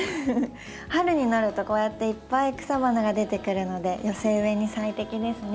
春になるとこうやっていっぱい草花が出てくるので寄せ植えに最適ですね。